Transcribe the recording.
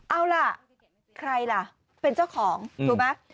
เอาล่ะใครล่ะเป็นเจ้าของถูกไหม